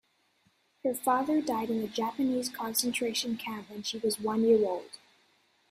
Her father died in a Japanese concentration camp when she was one year old.